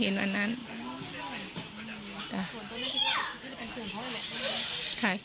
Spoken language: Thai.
สวัสดีครับ